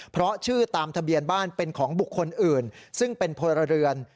เพราะชื่อตามทะเบียนบ้านเป็นของบุคคลอื่นซึ่งเป็นพลเรือน